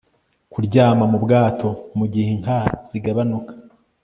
kuryama mu bwato mu gihe inka zigabanuka